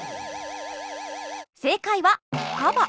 正解はカバ